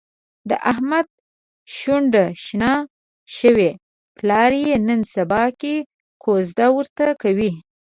د احمد شونډه شنه شوې، پلار یې نن سباکې کوزده ورته کوي.